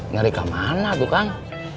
nanti kemana tuh kang